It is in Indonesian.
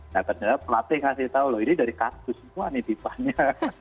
nah ternyata pelatih ngasih tau loh ini dari kardus semua nih tipanya